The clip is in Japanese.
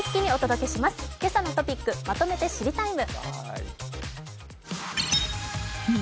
「けさのトピックまとめて知りＴＩＭＥ，」。